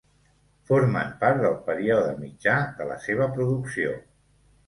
Formen part del període mitjà de la seva producció.